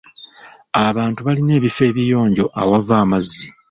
Abantu balina ebifo ebiyonjo awava amazzi.